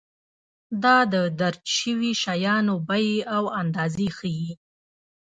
دا د درج شویو شیانو بیې او اندازې ښيي.